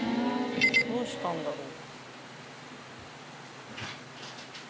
どうしたんだろう？